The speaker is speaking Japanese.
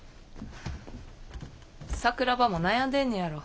桜庭も悩んでんねやろ。